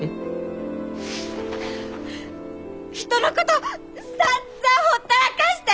人のことさんざんほったらかして！